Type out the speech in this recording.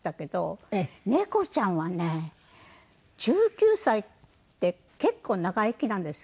猫ちゃんはね１９歳って結構長生きなんですけど。